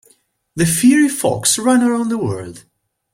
The fiery fox ran around the world.